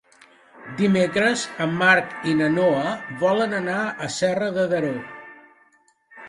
Dimecres en Marc i na Noa volen anar a Serra de Daró.